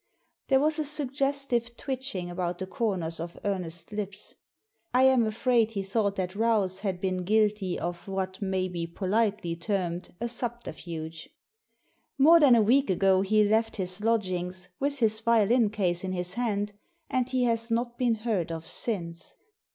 There was a suggestive twitching about the corners of Ernest's lips. I am afraid he thought that Rouse had been guilty of what may be politely termed a subterfuge. ^More than a week ago he left his lodgings, with his violin case in his hand, and he has not been heard of since.